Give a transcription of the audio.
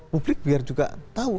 publik biar juga tahu